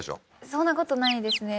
そんなことないですね